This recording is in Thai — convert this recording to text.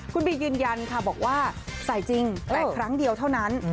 คุณบียืนยันค่ะบอกว่าใส่จริงแต่ครั้งเดียวเท่านั้น